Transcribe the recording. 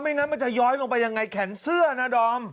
งั้นมันจะย้อยลงไปยังไงแขนเสื้อนะดอม